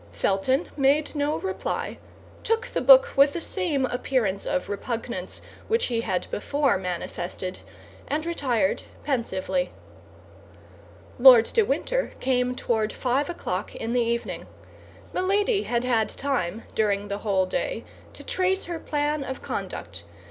Felton made no reply, took the book with the same appearance of repugnance which he had before manifested, and retired pensively. Lord de Winter came toward five o'clock in the evening. Milady had had time, during the whole day, to trace her plan of conduct.